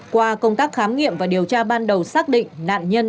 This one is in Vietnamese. qua công tác khám nghiệm và điều tra ban đầu xác định